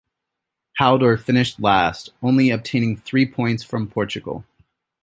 Haldor finished last, only obtaining three points from Portugal.